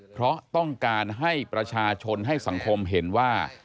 เพราะต้องการให้ประชาชนให้สังคมเห็นว่า